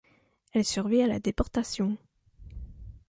Elle survit à la déportation.